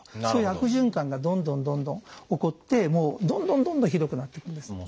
そういう悪循環がどんどんどんどん起こってもうどんどんどんどんひどくなっていくんです。